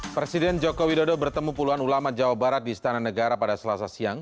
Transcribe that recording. presiden joko widodo bertemu puluhan ulama jawa barat di istana negara pada selasa siang